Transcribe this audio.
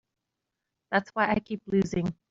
That's why I keep losing.